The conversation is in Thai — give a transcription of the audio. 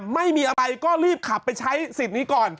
ไม่มีอะไรก็รีบขับไปใช้สิทธิ์นี้ก่อน